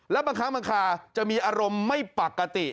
แล้วบางครั้งบางคราจะมีอารมณ์ไม่ปกติ